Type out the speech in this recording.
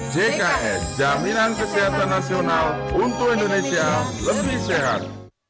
jks jaminan kesehatan nasional untuk indonesia lebih sehat